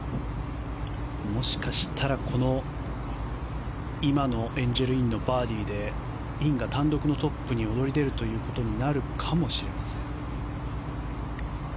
もしかしたら、今のエンジェル・インのバーディーでインが単独トップに躍り出ることになるかもしれません。